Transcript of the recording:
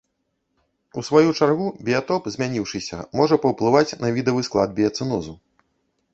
У сваю чаргу біятоп, змяніўшыся, можа паўплываць на відавы склад біяцэнозу.